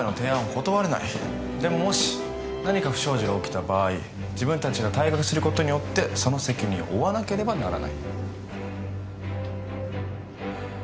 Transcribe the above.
でももし何か不祥事が起きた場合自分たちが退学することによってその責任を負わなければならない。